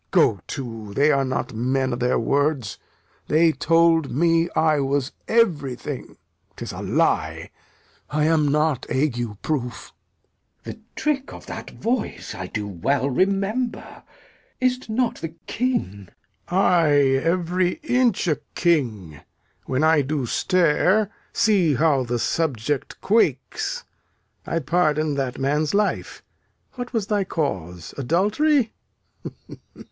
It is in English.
Go to, they are not men o' their words! They told me I was everything. 'Tis a lie I am not ague proof. Glou. The trick of that voice I do well remember. Is't not the King? Lear. Ay, every inch a king! When I do stare, see how the subject quakes. I pardon that man's life. What was thy cause? Adultery?